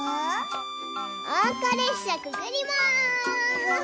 おうかれっしゃくぐります。